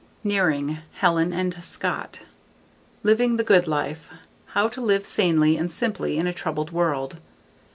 Nearing, Helen & Scott. _Living the Good Life: How to Live Sanely and Simply in a Troubled World.